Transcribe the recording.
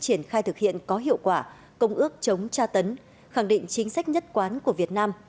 triển khai thực hiện có hiệu quả công ước chống tra tấn khẳng định chính sách nhất quán của việt nam